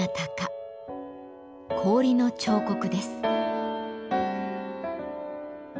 氷の彫刻です。